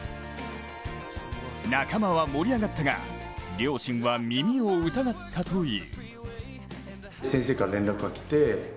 仲間は盛り上がったが両親は耳を疑ったという。